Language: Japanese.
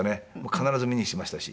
必ず見に来てましたし。